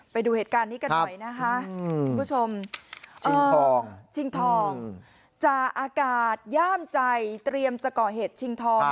ไปดูเหตุการณ์นี้กันหน่อยนะคะคุณผู้ชมชิงทองชิงทองจ่าอากาศย่ามใจเตรียมจะก่อเหตุชิงทอง